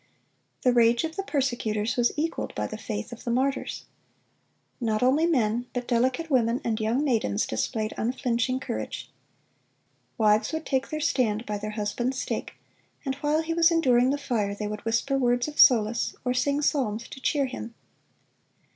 The rage of the persecutors was equaled by the faith of the martyrs. Not only men but delicate women and young maidens displayed unflinching courage. "Wives would take their stand by their husband's stake, and while he was enduring the fire they would whisper words of solace, or sing psalms to cheer him."